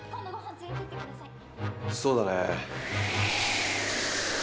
そうだね。